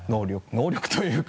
能力というか。